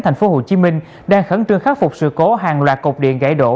thành phố hồ chí minh đang khẩn trương khắc phục sự cố hàng loạt cột điện gãy đổ